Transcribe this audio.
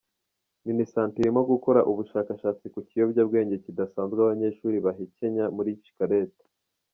Minisante irimo gukora ubushakashatsi ku kiyobyabwenge kidasanzwe abanyeshuri bahekenya muri shikarete.